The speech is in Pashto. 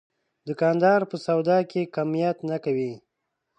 دوکاندار په سودا کې کمیت نه کوي.